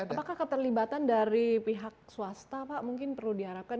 apakah keterlibatan dari pihak swasta pak mungkin perlu diharapkan